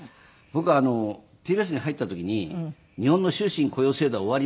僕ＴＢＳに入った時に「日本の終身雇用制度は終わります」と。